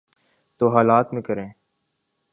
تو حالات میں کریں۔